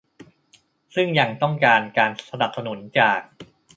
ซึ่งยังต้องการการสนับสนุนจาก